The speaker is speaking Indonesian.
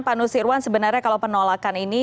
pak nusirwan sebenarnya kalau penolakan ini